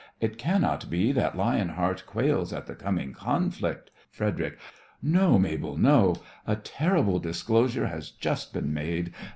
It cannot be That lion heart quails at the coming conflict? FREDERIC: No, Mabel, no. A terrible disclosure Has just been made.